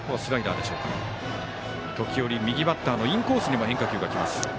時折、右バッターのインコースにもボールがきます。